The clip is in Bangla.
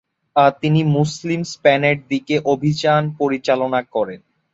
তিনি মুসলিম স্পেনের দিকে অভিযান পরিচালনা করেন।